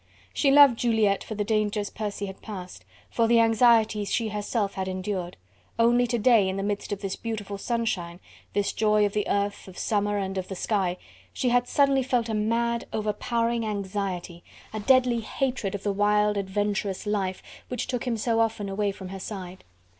She loved Juliette for the dangers Percy had passed, for the anxieties she herself had endured; only to day, in the midst of this beautiful sunshine, this joy of the earth, of summer and of the sky, she had suddenly felt a mad, overpowering anxiety, a deadly hatred of the wild adventurous life, which took him so often away from her side.